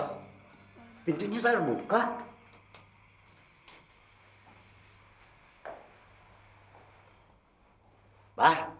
oh pintunya terbuka